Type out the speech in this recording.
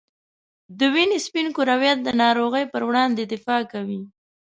د وینې سپین کرویات د ناروغۍ په وړاندې دفاع کوي.